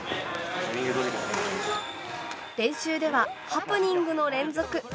練習ではハプニングの連続。